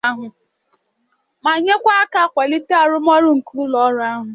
ma nyekwa aka kwalite arụmọrụ nke ụlọọrụ ahụ